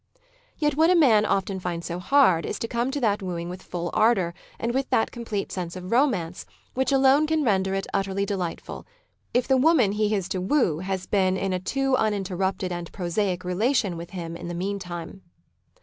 Yet what a man often finds so hard is to come to that wooing with full ardour and with that complete sense of romance which alone can render it utterly delightful, if the woman he is to woo has been in a too uninterrupted and prosaic relation with him in the meantime.